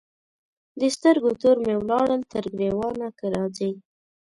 د سترګو تور مي ولاړل تر ګرېوانه که راځې